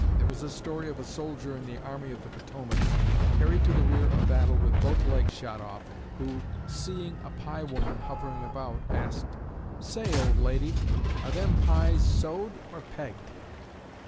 There was a story of a soldier in the Army of the Potomac, carried to the rear of battle with both legs shot off, who, seeing a pie woman hovering about, asked, "Say, old lady, are them pies sewed or pegged?"